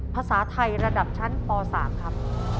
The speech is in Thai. ภาษาไทยระดับชั้นป๓ครับ